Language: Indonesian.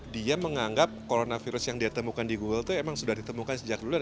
dia menganggap coronavirus yang dia temukan di google itu emang sudah ditemukan sejak dulu